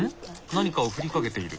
何かを振りかけている。